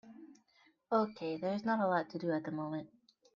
Okay, there is not a lot to do at the moment.